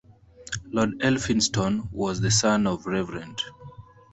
Lord Elphinstone was the son of Rev.